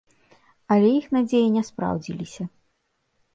Але іх надзеі не спраўдзіліся.